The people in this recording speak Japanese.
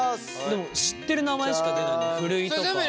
でも知ってる名前しか出ないね。